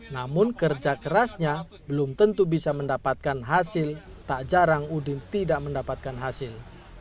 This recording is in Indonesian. namun kerja kerasnya belum tentu bisa mendapatkan hasil tak jarang udin tidak mendapatkan hasil